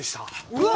うわ！